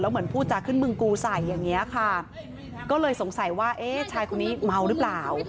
แล้วเหมือนผู้ชายขึ้นเมืองกูใส่อย่างนี้ค่ะก็เลยสงสัยว่าชายคนนี้เมาหรือเปล่า